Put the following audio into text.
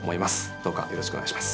どうかよろしくお願いします。